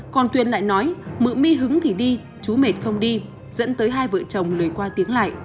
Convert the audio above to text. còn tuyền lại nói mượn my hứng thì đi chú mệt không đi dẫn tới hai vợ chồng lấy qua tiếng lại